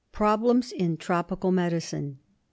Problems in Tropical Medicine.